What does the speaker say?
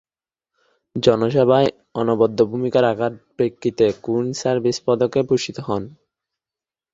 জনসেবায় অনবদ্য ভূমিকা রাখার প্রেক্ষিতে কুইন্স সার্ভিস পদকে ভূষিত হন।